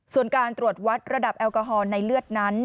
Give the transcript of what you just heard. ส่วนการตรวจวัดระดับแอลกอฮอล์ในเลือดนั้น